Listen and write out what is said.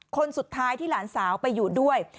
คนสุดท้ายที่หลานสาวไปอยู่ด้วย